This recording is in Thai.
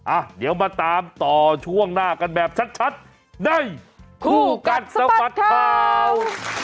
อ่ะเดี๋ยวมาตามต่อช่วงหน้ากันแบบชัดในคู่กัดสะบัดข่าว